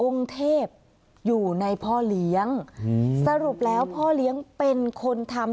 เทพอยู่ในพ่อเลี้ยงสรุปแล้วพ่อเลี้ยงเป็นคนทำ